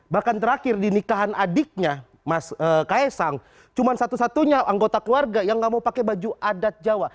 bahkan terakhir di nikahan adiknya mas kaisang cuma satu satunya anggota keluarga yang nggak mau pakai baju adat jawa